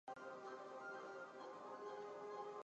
该物种的模式产地在中国。